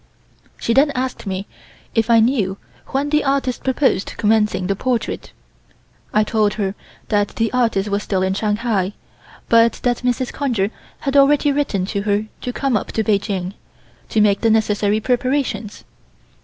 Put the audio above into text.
She then asked me if I knew when the artist proposed commencing the portrait. I told her that the artist was still in Shanghai, but that Mrs. Conger had already written to her to come up to Peking, to make the necessary preparations.